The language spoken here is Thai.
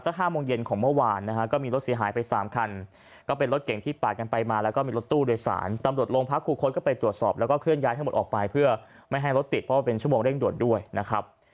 ๕โมงเย็นของเมื่อวานนะฮะก็มีรถเสียหายไปสามคันก็เป็นรถเก่งที่ปาดกันไปมาแล้วก็มีรถตู้โดยสารตำรวจโรงพักครูคดก็ไปตรวจสอบแล้วก็เคลื่อนย้ายทั้งหมดออกไปเพื่อไม่ให้รถติดเพราะว่าเป็นชั่วโมงเร่งด่วนด้วยนะครับ